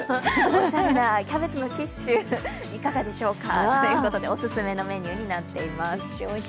おしゃれなキャベツのキッシュ、いかがでしょうかということでおすすめのメニューになっています。